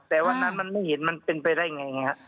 แต่วันนั้นมันไม่เห็นมันเป็นไปได้ไงฮะ